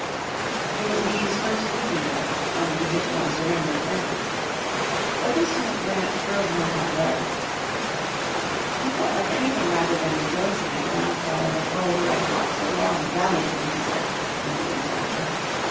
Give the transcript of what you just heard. It was Lee's first meeting with "Unconditional Surrender" Grant. But this time Grant drove no hard bargain. "I felt like anything rather than rejoicing at the downfall of a foe who had fought so long and valiantly," he said many years after.